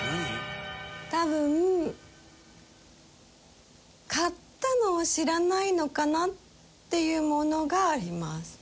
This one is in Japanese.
多分買ったのを知らないのかなっていうものがあります。